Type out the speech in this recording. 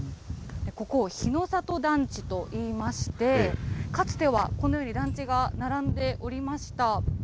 ここ、日の里団地といいまして、かつてはこのように団地が並んでおりました。